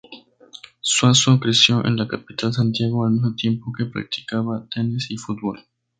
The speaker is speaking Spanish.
Suazo creció en la capital, Santiago, al mismo tiempo que practicaba tenis y fútbol.